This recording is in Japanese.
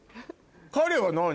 彼は何？